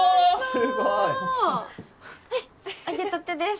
すごい揚げたてです